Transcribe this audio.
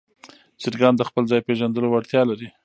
چرګان د خپل ځای پېژندلو وړتیا لري.